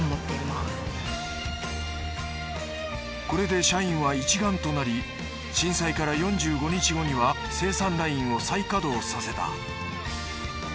これで社員は一丸となり震災から４５日後には生産ラインを再稼働させた。